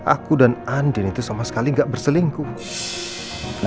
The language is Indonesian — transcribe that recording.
aku dan andin itu sama sekali gak berselingkuh